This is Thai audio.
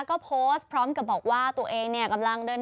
ก็โพสต์พร้อมกับบอกว่าตัวเองเนี่ย